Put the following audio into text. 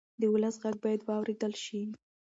د ولس غږ باید واورېدل شي